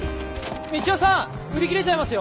みちおさん売り切れちゃいますよ。